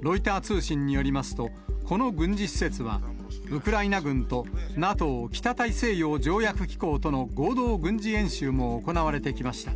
ロイター通信によりますと、この軍事施設は、ウクライナ軍とＮＡＴＯ・北大西洋条約機構との合同軍事演習も行われてきました。